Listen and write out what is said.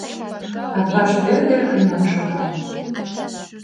Атбаш Вӧдыр кынел шогале.